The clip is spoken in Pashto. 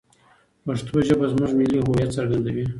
پښتو ژبه زموږ ملي هویت څرګندوي.